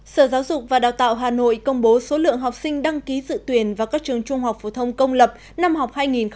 sở giáo dục và đào tạo hà nội công bố số lượng học sinh đăng ký dự tuyển vào các trường trung học phổ thông công lập năm học hai nghìn hai mươi hai nghìn hai mươi